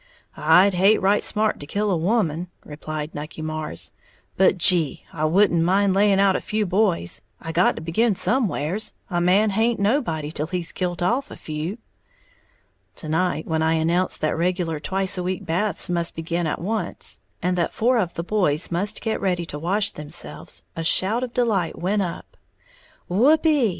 "I'd hate right smart to kill a woman," replied Nucky Marrs; "but gee, I wouldn't mind laying out a few boys. I got to begin somewheres, a man haint nobody till he's kilt off a few!" To night when I announced that regular twice a week baths must begin at once, and that four of the boys must get ready to wash themselves, a shout of delight went up, "Whoopee!